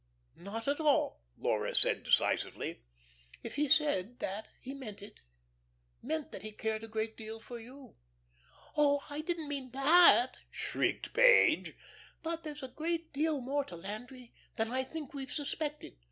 "Not at all," Laura said, decisively. "If he said that he meant it meant that he cared a great deal for you." "Oh, I didn't mean that!" shrieked Page. "But there's a great deal more to Landry than I think we've suspected.